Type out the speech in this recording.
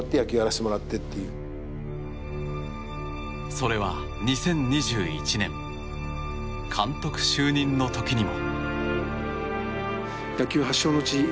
それは２０２１年監督就任の時にも。